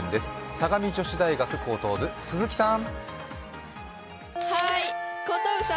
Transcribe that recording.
相模女子大学高等部、鈴木さん！